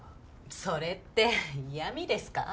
それって嫌みですか？